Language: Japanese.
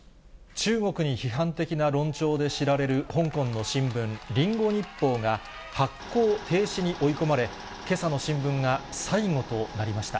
中国に批判的な論調で知られる香港の新聞、リンゴ日報が発行停止に追い込まれ、けさの新聞が最後となりました。